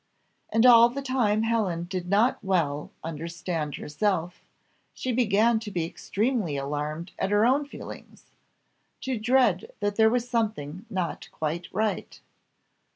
And all the time Helen did not well understand herself; she began to be extremely alarmed at her own feelings to dread that there was something not quite right.